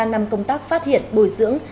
ba năm công tác phát hiện bồi dưỡng